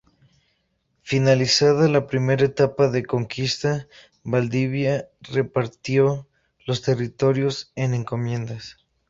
Finalizada la primera etapa de conquista, Valdivia repartió los territorios en encomiendas.